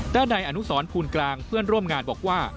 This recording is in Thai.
ด้านในอนุสรภูลกลางเพื่อนร่วมงานบอกว่า